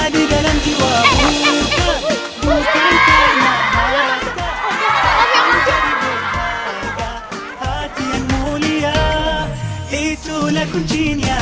di dalam jiwa bukan bukan pernah harta hati yang mulia itulah kuncinya